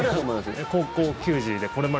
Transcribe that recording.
高校球児で、これまで。